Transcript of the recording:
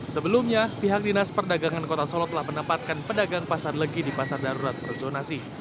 sebelumnya pihak dinas perdagangan kota solo telah menempatkan pedagang pasar legi di pasar darurat per zonasi